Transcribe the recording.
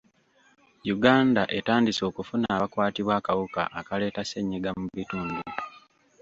Uganda etandise okufuna abakwatibwa akawuka akaleeta ssennyiga mu bitundu.